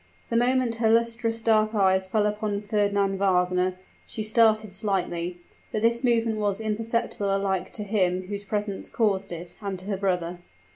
The moment her lustrous dark eyes fell upon Fernand Wagner, she started slightly; but this movement was imperceptible alike to him whose presence caused it, and to her brother.